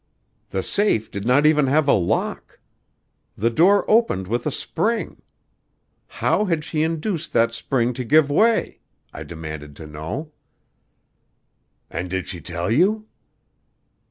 The safe did not even have a lock. The door opened with a spring. How had she induced that spring to give way? I demanded to know." "And did she tell you?"